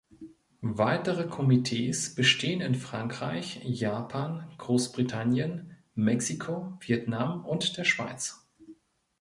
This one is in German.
Weitere Komitees bestehen in Frankreich, Japan, Großbritannien, Mexiko, Vietnam und der Schweiz.